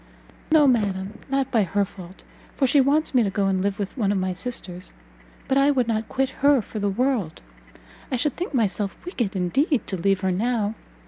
"No, madam, not by her fault, for she wants me to go and live with one of my sisters: but I would not quit her for the world; I should think myself wicked indeed to leave her now.